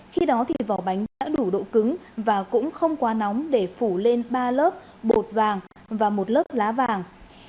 khi đó thì vỏ bánh đã đủ độ cứng và cũng không quá nóng để phủ lên ba lớp bột vàng và một lớp lá vàng